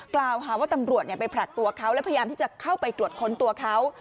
กล่าวหาว่าตำรวจไปผลัดตัวเขาและพยายามที่จะเข้าไปตรวจค้นตัวเขา